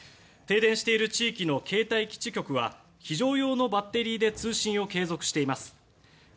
停電している地域の携帯基地局は非常用のバッテリーで通信を継続しています。